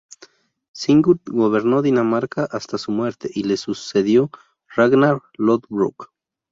Sigurd gobernó Dinamarca hasta su muerte y le sucedió Ragnar Lodbrok.